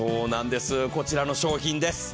こちらの商品です。